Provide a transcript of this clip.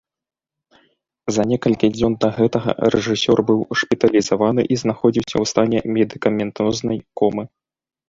За некалькі дзён да гэтага рэжысёр быў шпіталізаваны і знаходзіўся ў стане медыкаментознай комы.